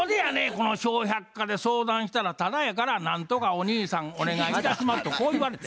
この「笑百科」で相談したらタダやからなんとかお兄さんお願いいたしますとこう言われて。